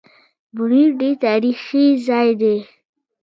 بونېر ډېر تاريخي ځای دی